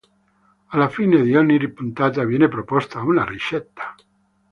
Alla fine di ogni puntata viene proposta una ricetta.